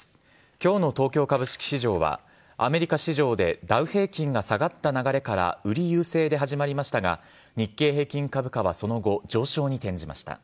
今日の東京株式市場はアメリカ市場でダウ平均が下がった流れから売り優勢で始まりましたが日経平均株価はその後、上昇に転じました。